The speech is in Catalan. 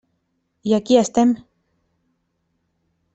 I aquí estem.